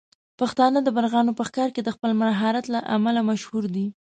پښتانه د مرغانو په ښکار کې د خپل مهارت له امله مشهور دي.